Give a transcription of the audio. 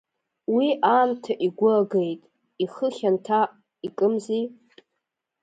Уи аамҭа игәы агеит, Ихы хьанҭа икымзи.